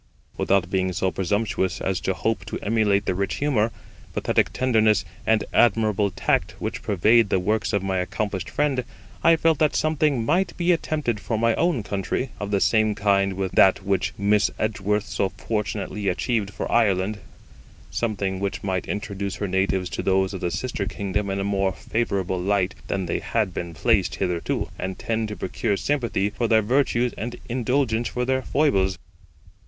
Without being so presumptuous as to hope to emulate the rich humour, pathetic tenderness, and admirable tact which pervade the works of my accomplished friend, I felt that something might be attempted for my own country, of the same kind with that which Miss Edgeworth so fortunately achieved for Ireland something which might introduce her natives to those of the sister kingdom in a more favourable light than they had been placed hitherto, and tend to procure sympathy for their virtues and indulgence for their foibles.